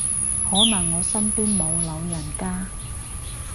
可能我身邊冇老人家